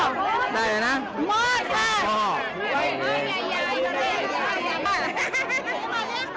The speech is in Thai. มีนอกด้วยมีนอกด้วย